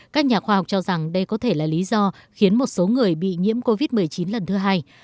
các nhà khoa học cho rằng đây có thể là lý do khiến một số người bị nhiễm covid một mươi chín lần thứ hai